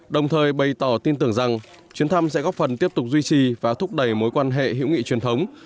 đồng thời bày tỏ tin tưởng rằng chuyến thăm sẽ góp phần tiếp tục duy trì và thúc đẩy mối quan hệ hữu nghị truyền thống